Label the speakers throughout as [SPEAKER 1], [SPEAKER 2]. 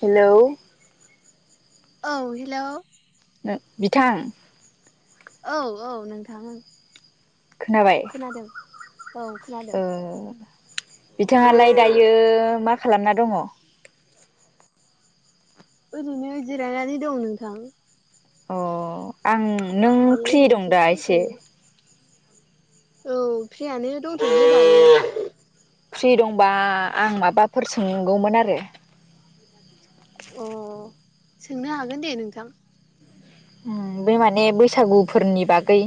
[SPEAKER 1] हेल'।
[SPEAKER 2] औ हेल'।
[SPEAKER 1] नो बिथां।
[SPEAKER 2] औ औ नोंथाङो।
[SPEAKER 1] खोनाबाय।
[SPEAKER 2] खोनादों।
[SPEAKER 1] बिथाङालाय दायो मा खालामना दङ?
[SPEAKER 2] ओरैनो जिरायनानै दं नोंथां।
[SPEAKER 1] अ आं नों
[SPEAKER 2] दायो
[SPEAKER 1] फ्रि
[SPEAKER 2] ओरैनो
[SPEAKER 1] दं दा
[SPEAKER 2] जिरायना दंथ'यो
[SPEAKER 1] एसे।
[SPEAKER 2] औ फ्रियानो दंथ' ल
[SPEAKER 1] फ्रि दंबा आं माबाफोर सोंगौमोन आरो?
[SPEAKER 2] अ सोंनो हागोन दे नोंथां।
[SPEAKER 1] बे माने बैसागुफोरनि बागै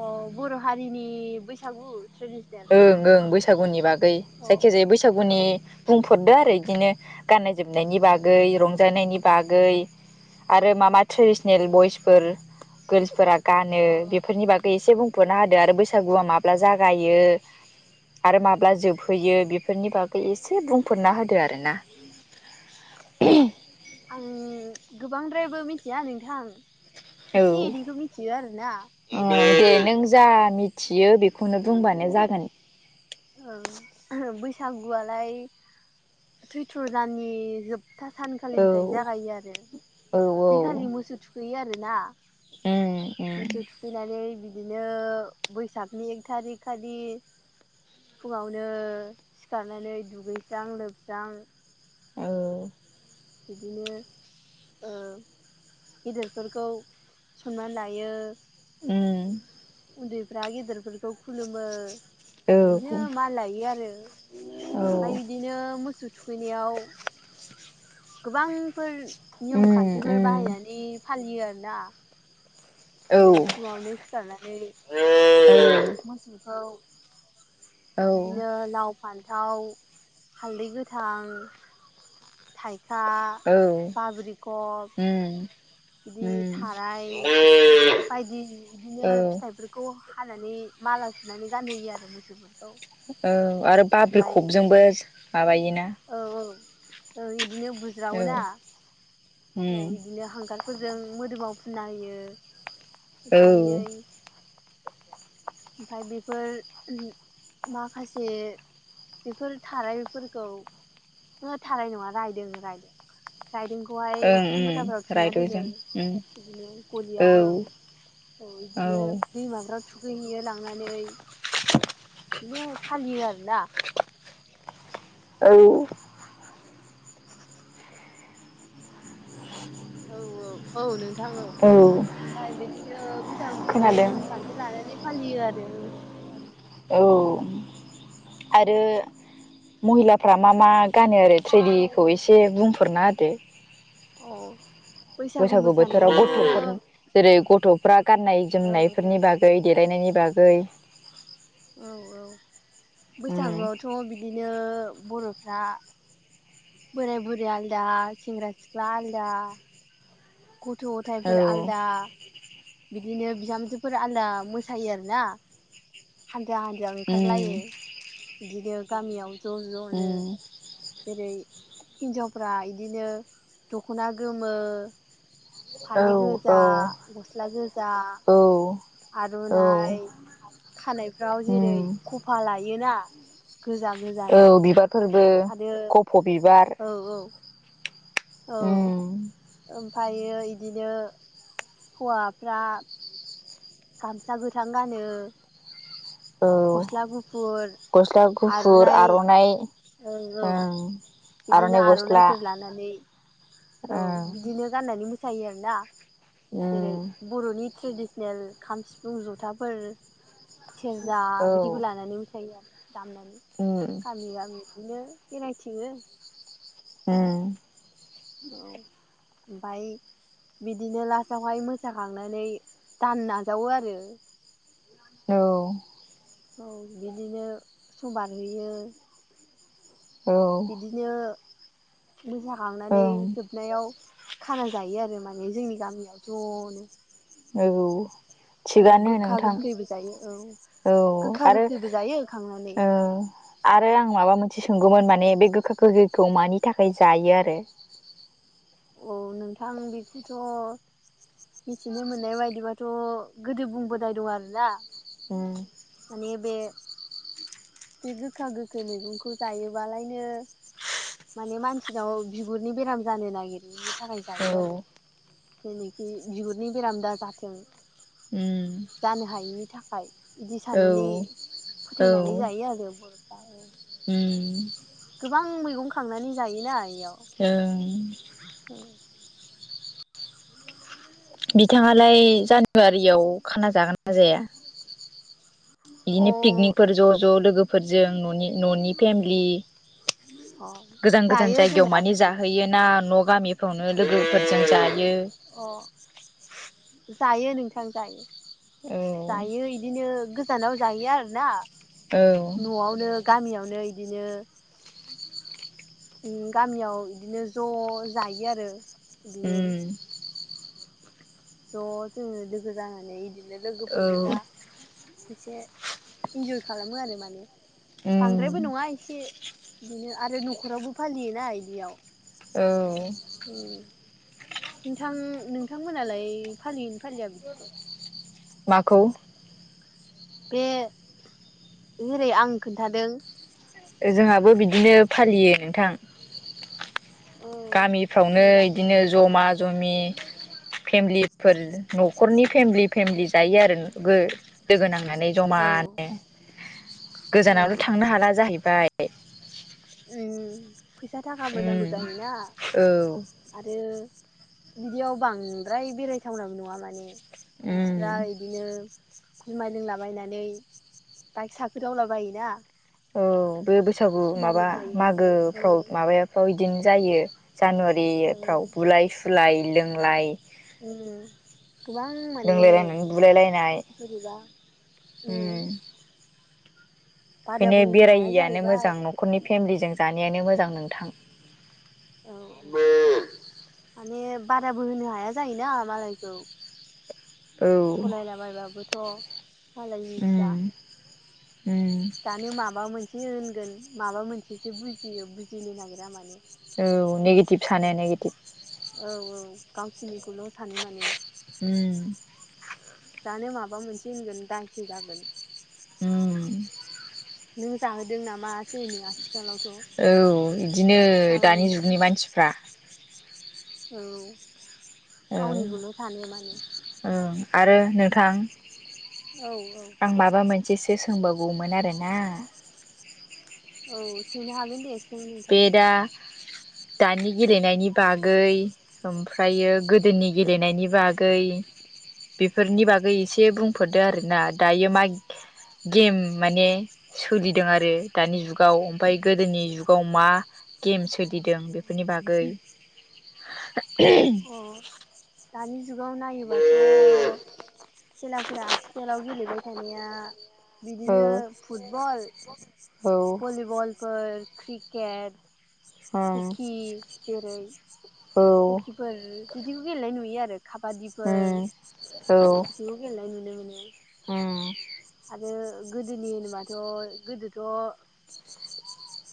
[SPEAKER 2] अ बर' हारिनि बैसागु। ट्रेडिसनेल
[SPEAKER 1] ओं ओं बैसागुनि बागै
[SPEAKER 2] अ
[SPEAKER 1] जायखिजाया बैसागुनि बुंफोररदो आरो। बिदिनो गाननाय जोमनायनि बागै रंजानायनि बागै। आरो मा मा ट्रेडिसनेल बयसफोर गोर्ल्सफोरा? गानो
[SPEAKER 2] औ
[SPEAKER 1] बेफोरनि बागै एसे बुंफ'ना होदो आरो बैसागुआ माब्ला जागायो? आरो माब्ला जोबहैयो बेफोरनि बागै एसे बुं। फुरना होदो आर
[SPEAKER 2] अ
[SPEAKER 1] ना?
[SPEAKER 2] आं गोबांद्रायबो मिथिया नोंथां।
[SPEAKER 1] औ ओ
[SPEAKER 2] एसे एनिखौ मिथियो आरोना।
[SPEAKER 1] थियो बेखौनो बुंबानो जागोन।
[SPEAKER 2] बैसागुआलाय सैथ्र'दाननि जोब था
[SPEAKER 1] औ
[SPEAKER 2] सानखालिनिफ्रायनो जागायो आरो
[SPEAKER 1] औ औ
[SPEAKER 2] बेखालि मोसौ थुखैयो आरोना।
[SPEAKER 1] उम उम
[SPEAKER 2] मोसौ थुखैनानै बिदिनो बैसागनि एक थारिकखालि फुङावनो सिखारनानै दुगैस्रां-लोबस्रां
[SPEAKER 1] औ।
[SPEAKER 2] बिदिनो ओ गेदिरफोरखौ सनमान लायो।
[SPEAKER 1] उम
[SPEAKER 2] उन्दैफ्रा गेदेरफोरखौ खुलुमो।
[SPEAKER 1] औ
[SPEAKER 2] बिदिनो माल लायो आरो ओमफ्राय
[SPEAKER 1] उम
[SPEAKER 2] बिदिनो मोसौ थुखैनायाव गोबांफोर नियम खान्थिफोर
[SPEAKER 1] उम
[SPEAKER 2] बाहायनानै फालियो आरोना।
[SPEAKER 1] औ
[SPEAKER 2] जेरै फुङावनो सिखारनानै मोसौखौ
[SPEAKER 1] औ
[SPEAKER 2] बिदिनो लाव फान्थाव हालदै गोथां थाइखा
[SPEAKER 1] औ
[SPEAKER 2] बाब्रिकप
[SPEAKER 1] उम
[SPEAKER 2] बिदि थाराय
[SPEAKER 1] उम
[SPEAKER 2] बायदि
[SPEAKER 1] औ
[SPEAKER 2] बिदिनो फिथाइफोरखौ हानानै माला सुनानै गानहोयो आरो मोसौफोरखौ
[SPEAKER 1] औ आरो बाबलि
[SPEAKER 2] ओमफ्राय बिदिनो
[SPEAKER 1] खबजोंबो माबायोना
[SPEAKER 2] औ औ औ इदिनो
[SPEAKER 1] औ
[SPEAKER 2] बुज्रावो ना
[SPEAKER 1] उम
[SPEAKER 2] औ इदिनो हांगारफोरजों मोदोमाव फुनना होयो।
[SPEAKER 1] औ
[SPEAKER 2] ओमफाय नै
[SPEAKER 1] ओं
[SPEAKER 2] ओमफ्राय बेफोर माखासे बेफोर थारायफोरखौ थाराय नङा रायदों रायदों रायदोंखौ बेहाय उखुम
[SPEAKER 1] उम
[SPEAKER 2] मुदाफोराव थुना दोनो
[SPEAKER 1] रायद'जों उम
[SPEAKER 2] बिदिनो गलियाव औ अ
[SPEAKER 1] औ
[SPEAKER 2] बिदिनो दैमाफोराव थुगैहैयो लांनानै बिदिनो फालियो आरोना
[SPEAKER 1] औरै
[SPEAKER 2] औ औ औ नों थां
[SPEAKER 1] औ
[SPEAKER 2] ओमफ्राय बिदिनो बिथांखौ
[SPEAKER 1] खोनादों
[SPEAKER 2] नियम खान्थि लानानै फालि आरो औ।
[SPEAKER 1] औ औ आरो। महिलाफ्रा मा मा गानो आरो ट्रेडिखौ एसे बुंफोरना होदो।
[SPEAKER 2] औ।
[SPEAKER 1] बैसागु बोथोराव गथ'फोर जेरै गथ'फ्रा गाननाय
[SPEAKER 2] औ
[SPEAKER 1] जोमनायफोरनि बागै देलायनायनि बागै
[SPEAKER 2] औ औ
[SPEAKER 1] उम
[SPEAKER 2] बैसागुआवथ' बिदिनो बर'फ्रा बोराय बुरि आलदा सेंग्रा-सिख्ला आलदा गथ' गथायाइफोर
[SPEAKER 1] औ
[SPEAKER 2] आलदा बिदिनो बिहामजोफोरा आलदा मोसायो आरो ना हान्जा हान्जा
[SPEAKER 1] उम
[SPEAKER 2] ओंखारलायो बिदिनो गामियाव ज' ज'नो
[SPEAKER 1] उम
[SPEAKER 2] जेरै हिन्जावफ्रा इदिनो दख'ना गोमो
[SPEAKER 1] औ
[SPEAKER 2] फालि
[SPEAKER 1] औ
[SPEAKER 2] गोजा गस्ला गोजा
[SPEAKER 1] औ औ
[SPEAKER 2] आर'नाइ खानायफ्राव जेरै
[SPEAKER 1] उम
[SPEAKER 2] खफा लायोना गोजा गोजानो
[SPEAKER 1] औ
[SPEAKER 2] बिदि
[SPEAKER 1] बिबारफोरबो
[SPEAKER 2] आरो
[SPEAKER 1] गफ' बिबार
[SPEAKER 2] औ औ औ
[SPEAKER 1] उम
[SPEAKER 2] ओमफायो बिदिनो हौवाफ्रा गामसा गोथां गानो।
[SPEAKER 1] औ
[SPEAKER 2] गस्ला गुफुर
[SPEAKER 1] गस्ला गुफुर आर'नाइ
[SPEAKER 2] ओं औ
[SPEAKER 1] ओं।
[SPEAKER 2] बिदिनो
[SPEAKER 1] आर'नाइ गस्ला
[SPEAKER 2] आर'नाइफोर लानानै। औ
[SPEAKER 1] ओं
[SPEAKER 2] बिदिनो गाननानै मोसायो आरोना जेरै
[SPEAKER 1] उम
[SPEAKER 2] बर'नि ट्रेडि। सेल खाम सिफुं जथाफोर सेरजा
[SPEAKER 1] औ
[SPEAKER 2] बिदिखौ लानानै मोसायो आरो। दामनानै
[SPEAKER 1] उम
[SPEAKER 2] गामि गामि बिदिनो बेरायथिङो।
[SPEAKER 1] हम।
[SPEAKER 2] औ बाय। बिदिनो लास्टावहाय मोसाखांनानै दान नाजावो आरो।
[SPEAKER 1] औ।
[SPEAKER 2] औ बिदिनो समबार होयो।
[SPEAKER 1] औ
[SPEAKER 2] बिदिनो। मोसाखांनानै
[SPEAKER 1] ओं
[SPEAKER 2] जोबनायाव खाना जायो आरो माने जोंनि गामियाव ज'नो।
[SPEAKER 1] ओरु।
[SPEAKER 2] औ गोखा गोखैबो जायो औ।
[SPEAKER 1] औ
[SPEAKER 2] गोखा
[SPEAKER 1] आरो
[SPEAKER 2] गोखैबो जायो खांनानै।
[SPEAKER 1] ओ आरो आं माबा मोनसे सोंगौमोन माने बे गोखा गोखैखौ मानि थाखाय जायो आरो। [inaudible]
[SPEAKER 2] औ नोंथां बेखौथ'। मिथिनो मोननाय बायदिबाथ' गोदो बुंबोदाय दं आरोना।
[SPEAKER 1] उम।
[SPEAKER 2] माने बे। बे गोखा गोखै मैगंखौ जायोबालायनो। माने मानसिनाव बिगुरनि बेराम जानो नागिर। बेनि थाखाय
[SPEAKER 1] औ
[SPEAKER 2] जायो आरो जेनोखि बिगुरनि बेरामदा जाथों।
[SPEAKER 1] उम
[SPEAKER 2] जानो हायिनि थाखाय। बिदि साननानै
[SPEAKER 1] औ
[SPEAKER 2] फोथायनानै जायो आरो बर'फ्राबो।
[SPEAKER 1] उम
[SPEAKER 2] गोबां मैगं खांनानै जायोना इयाव।
[SPEAKER 1] जों।
[SPEAKER 2] बु
[SPEAKER 1] बिथाङालाय जानुवारियाव खाना जागोन ना जाया?
[SPEAKER 2] अ
[SPEAKER 1] बिदिनो पिकनिकफोर ज' ज' लोगोफोरजों न'नि न'नि फेमिलि।
[SPEAKER 2] अ
[SPEAKER 1] गोजान गोजान
[SPEAKER 2] जायो
[SPEAKER 1] जायगायाव
[SPEAKER 2] जोंना
[SPEAKER 1] मानि
[SPEAKER 2] बिदिनो
[SPEAKER 1] जाहोयोना न'। गामिफ्रावनो लोगोफोरजों जायो।
[SPEAKER 2] अ जायो नोंथां जायो।
[SPEAKER 1] औ
[SPEAKER 2] जायो इदिनो गोजानाव जायो आरो ना।
[SPEAKER 1] औ
[SPEAKER 2] न'आवनो गामियावनो इदिनो। उ गामियाव बिदिनो ज' जायो आरो बिदिनो।
[SPEAKER 1] उम
[SPEAKER 2] ज' जोंङो लोगो जानानै बिदिनो लोगोफोर
[SPEAKER 1] औ
[SPEAKER 2] गोजा। एसे इन्जय खालामो आरो माने
[SPEAKER 1] उम
[SPEAKER 2] बांद्रायबो नङा एसे। बिदिनो आरो न'खरावबो फालियोना बियाव।
[SPEAKER 1] औ
[SPEAKER 2] नोंथां नोंथांमोनालाय फालियैनो फालिया बिदिखौ।
[SPEAKER 1] माखौ।
[SPEAKER 2] बे जेरै आं खोन्थादों।
[SPEAKER 1] ओ जोंहाबो बिदिनो फालियो नोंथां।
[SPEAKER 2] औ
[SPEAKER 1] गामिफ्रावनो
[SPEAKER 2] मोजां
[SPEAKER 1] इदिनो जमा जमि फेमिलिफोर न'खरनि फेमिलि फेमिलि जायो आरो गो दोगोनांना। होननानै
[SPEAKER 2] औ
[SPEAKER 1] जमानो।
[SPEAKER 2] औ
[SPEAKER 1] गोजानावल' थांनो हाला जाहैबाय।
[SPEAKER 2] फैसा थाखाबो नांगौ
[SPEAKER 1] उम
[SPEAKER 2] जायोना
[SPEAKER 1] औ
[SPEAKER 2] आरो। बिदियाव बांद्राय बेरायथावनाबो नङा माने
[SPEAKER 1] उम
[SPEAKER 2] मानसिफ्रा इदिनो जुमाय लोंलाबायनानै बाइक साखोदावला बायोना।
[SPEAKER 1] औ बे बैसागु
[SPEAKER 2] गिनांगौ
[SPEAKER 1] माबा
[SPEAKER 2] जायो एसे औ
[SPEAKER 1] मागोफ्राव माबाफ्राव बिदिनो जायो।
[SPEAKER 2] औ
[SPEAKER 1] जानुवारिफ्राव बुलाय सुलाय लोंलाय
[SPEAKER 2] ओम गोबां माने
[SPEAKER 1] लोंलायलायनानै बुलायलायनाय
[SPEAKER 2] बोरैबा उम
[SPEAKER 1] ओंखायनो
[SPEAKER 2] बादाबो होनो हाया
[SPEAKER 1] बेरायैआानो
[SPEAKER 2] जाहैबाय
[SPEAKER 1] मोजां न'खरनि फेमिलिजों जानायानो मोजां नोंथां।
[SPEAKER 2] औ माने बाराबो होनो हाया जायोना मालायखौ।
[SPEAKER 1] औ उम
[SPEAKER 2] सालायलाबायबाबोथ'। मालायनि फिसा
[SPEAKER 1] उम
[SPEAKER 2] दानो माबा मोन एसे होनगोन माबा मोनसेसो बुजियो बुजिनो नागिरा माने।
[SPEAKER 1] औ नेगेटिभ सानो नेगेटिभ।
[SPEAKER 2] औ औ गावसिनिखौल' सानो माने।
[SPEAKER 1] उम
[SPEAKER 2] दानो माबा मोनसे होनगोन दायसो जागोन।
[SPEAKER 1] उम।
[SPEAKER 2] नों जाहोदों नामासो होनो आथिखालाव।
[SPEAKER 1] औ बिदिनो दानि
[SPEAKER 2] मोनसे
[SPEAKER 1] जुगनि मानसिफ्रा।
[SPEAKER 2] औ
[SPEAKER 1] औ
[SPEAKER 2] गावनिखौल' सानो माने।
[SPEAKER 1] ओं आरो नोंथां
[SPEAKER 2] औ औ
[SPEAKER 1] आं माबा मोनसे सोंनो सोंबावगौमोन आरोना।
[SPEAKER 2] औ सोंनो हागोन दे सों नोंथां।
[SPEAKER 1] बे [inaudible] दानि गेलेनायनि बागै ओमफ्रायो गोदोनि गेलेनायनि बागै बेफोरनि बागै एसे बुंफोरदो आरोना दायो मा गेम माने सोलिदों आरो दानि जुगाव ओमफ्राय गोदोनि जुग गाव मा गेम सोलिदों बेफोरनि बागै।
[SPEAKER 2] अ दानि जुगाव
[SPEAKER 1] औ
[SPEAKER 2] नायोबाथ' खेलाफोरा आथिखालाव गेलेबाय थानाया बिदिनो फुटबल
[SPEAKER 1] औ
[SPEAKER 2] भलिबल फोर क्रिकेट
[SPEAKER 1] ओं
[SPEAKER 2] हकि जेरै
[SPEAKER 1] औ
[SPEAKER 2] फोर बिदिखौ गेलेनाय नुयो आरो। खाबादिफोर
[SPEAKER 1] उम औ
[SPEAKER 2] बिदिखौ गेलेनाय नुनो मोनो।
[SPEAKER 1] उम
[SPEAKER 2] आरो गोदोनि होनोबाथ' गोदोथ'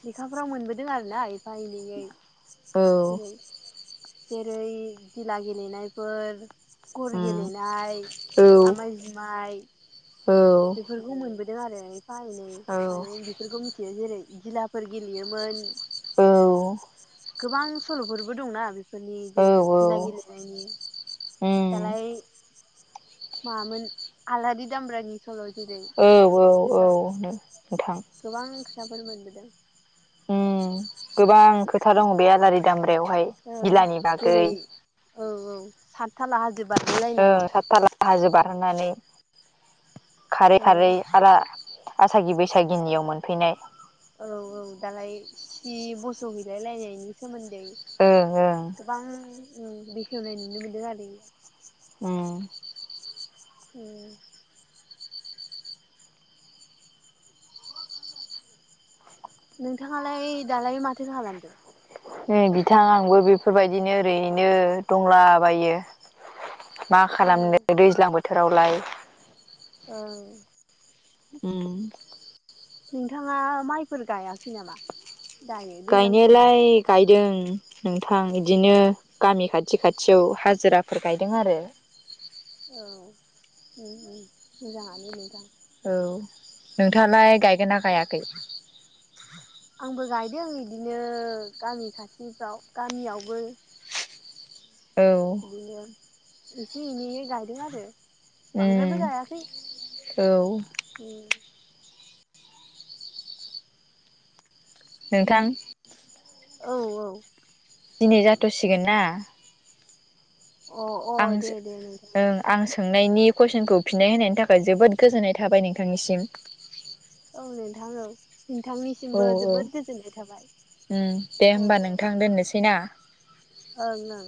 [SPEAKER 2] लेखाफ्राव मोनबोदों आरो ना एफा एनैयै
[SPEAKER 1] औ
[SPEAKER 2] जेरै जेरै गिला गेलेनायफोर गर
[SPEAKER 1] उम
[SPEAKER 2] गेलेनाय
[SPEAKER 1] औ
[SPEAKER 2] आमाय जुमाय
[SPEAKER 1] औ
[SPEAKER 2] बेफोरखौ मोनबोदों आरो एफा एनै
[SPEAKER 1] औ
[SPEAKER 2] माने बेफोरखौ मिथियो जेरै गिलाफोर गेलेयोमोन
[SPEAKER 1] औ
[SPEAKER 2] गोबां सल'फोरबो दंना फोरनि
[SPEAKER 1] औ
[SPEAKER 2] जेरै धिला गेलेनायनि दालाय मामोन आलारि दामब्रानि सल' जेरै
[SPEAKER 1] औ औ औ नों नोंथां
[SPEAKER 2] फोर मोनबोदों।
[SPEAKER 1] ओम गोबां खोथा दङ बे आलारि दामब्रा बेवहाय
[SPEAKER 2] ओं
[SPEAKER 1] गिलानि बागै
[SPEAKER 2] जेरै औ औ सातथाला हाजो बारलायनाय
[SPEAKER 1] सात थाला हाजो बारहोनानै खारै-
[SPEAKER 2] औ
[SPEAKER 1] खारै आरो आसागि- बैसागिनियाव मोनफैनाय
[SPEAKER 2] औ - औ दालाय सि बसहैलाय लायनायनि सोमोन्दै
[SPEAKER 1] ओं ओं
[SPEAKER 2] गोबां बेखेवनाय नुनो मोनदों आरो।
[SPEAKER 1] उम।
[SPEAKER 2] उम। नोंथाङालाय दालाय माथो खालामदों।
[SPEAKER 1] नै बिथां आंबो बेफोर बायदिनो ओरैनो दंला बायो। मा
[SPEAKER 2] अ
[SPEAKER 1] खालामनो दैज्लां बोथोरावलाय।
[SPEAKER 2] औ।
[SPEAKER 1] उम।
[SPEAKER 2] नोंथाङा माइफोर गायाखै नामा। दायो दैज्लां समाव
[SPEAKER 1] गायनायालाय गायदों। नोंथां बिदिनो गामि खाथि- खाथियाव हाजिराफोर गायदों आरो।
[SPEAKER 2] औ मोजाङानो नोंथां।
[SPEAKER 1] औ नोंथाङालाय गायगोनना
[SPEAKER 2] आंबो गायदों बिदिनो गामि खाथिफ्राव गामियावबो
[SPEAKER 1] औ
[SPEAKER 2] बिदिनो एसे एनैै गायदों आरो
[SPEAKER 1] उम
[SPEAKER 2] बांद्रायबो गायाखै
[SPEAKER 1] औ नोंथां।
[SPEAKER 2] औ - औ।
[SPEAKER 1] दिनै जाथ'सिगोनना।
[SPEAKER 2] औ अ अ
[SPEAKER 1] आं ओं आं
[SPEAKER 2] दे दे नोंथां औ
[SPEAKER 1] सोङो सोंनायनि कुइसनखौ फिनाय होनायनि थाखाय जोबोद गोजोन्नाय थाबाय नोंथांनिसिम।
[SPEAKER 2] औ नोंथां औ।
[SPEAKER 1] औ
[SPEAKER 2] नोंथांनिसिमबो
[SPEAKER 1] औ
[SPEAKER 2] जोबोद गोजोननाय थाबाय
[SPEAKER 1] उम दे
[SPEAKER 2] औ
[SPEAKER 1] होमबा
[SPEAKER 2] औ। ओं
[SPEAKER 1] नोंथां दोननोसै ना
[SPEAKER 2] - ओं।